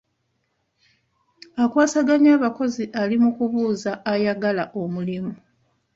Akwasaganya abakozi ali mu kubuuza ayagala omulimu.